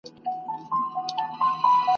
د پردي زوی څخه خپله لور ښه ده `